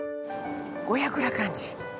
五百羅漢寺。